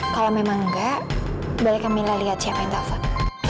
kalau memang enggak boleh kamila lihat siapa yang telfon